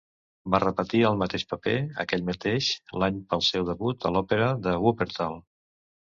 Va repetir el mateix paper aquell mateix l'any pel seu debut a l'Òpera de Wuppertal.